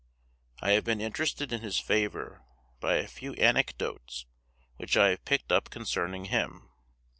I have been interested in his favour by a few anecdotes which I have picked up concerning him.